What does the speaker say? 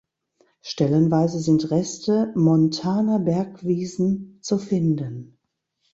Stellenweise sind Reste montaner Bergwiesen zu finden.